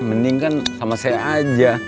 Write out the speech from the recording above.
mending kan sama saya aja